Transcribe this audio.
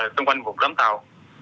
xung quanh vùng đám tàu